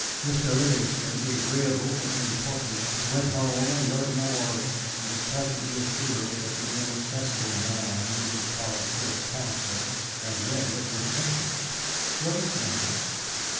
Mr. Livingston, the agreeable but importunate, went home and wrote a memorial, and was presently assured that the inaccessible Man who was called First Consul had read it with interest great interest.